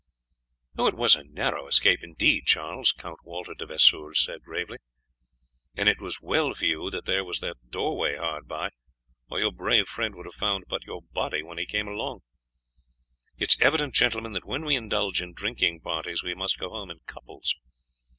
"It was a narrow escape indeed, Charles," Count Walter de Vesoul said gravely, "and it was well for you that there was that doorway hard by, or your brave friend would have found but your body when he came along. It is evident, gentlemen, that when we indulge in drinking parties we must go home in couples.